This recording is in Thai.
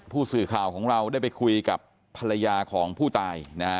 ผู้สื่อข่าวของเราได้ไปคุยกับภรรยาของผู้ตายนะฮะ